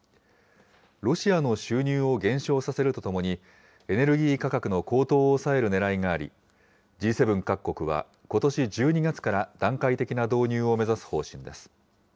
ロシアの収入を減少させるとともに、エネルギー価格の高騰を抑えるねらいがあり、Ｇ７各国は、ことし１２月から段階的な導入を目指す方針です。